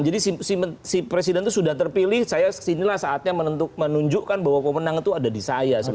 jadi si presiden itu sudah terpilih saya sinilah saatnya menunjukkan bahwa pemenang itu ada di saya